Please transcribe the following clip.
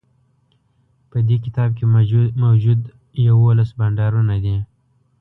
په دې کتاب کی موجود یوولس بانډارونه دي